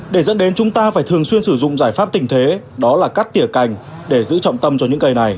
để dẫn đến chúng ta phải thường xuyên sử dụng giải pháp tình thế đó là cắt tỉa cành để giữ trọng tâm cho những cây này